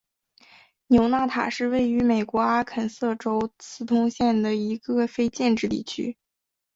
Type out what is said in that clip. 纽纳塔是位于美国阿肯色州斯通县的一个非建制地区。